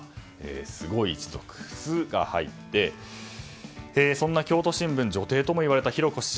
すごい一族、「ス」が入ってそんな京都新聞女帝ともいわれた浩子氏。